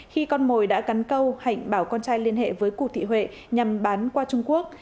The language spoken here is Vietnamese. khi con mồi đã cắn câu hạnh bảo con trai liên hệ với cụ thị huệ nhằm bán qua trung quốc